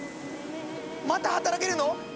また働けるの？